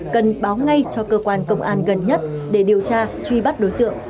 cần báo ngay cho cơ quan công an gần nhất để điều tra truy bắt đối tượng